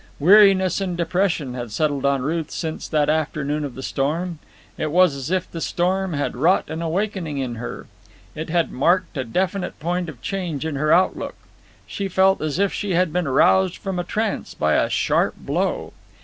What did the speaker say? Weariness and depression had settled on Ruth since that afternoon of the storm. It was as if the storm had wrought an awakening in her. It had marked a definite point of change in her outlook. She felt as if she had been roused from a trance by a sharp blow.